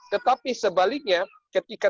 tetapi sebaliknya ketika